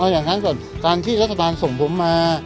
อย่างนั้นกับการที่รัฐบาลส่งผมมา